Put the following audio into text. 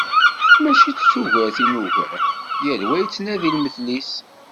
Mačči d tugert i nugar, yal wa yettnadi lmetl-is.